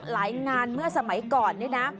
หลายงานเมื่อสมัยก่อน